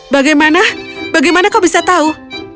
bagaimana bagaimana kau bisa tahu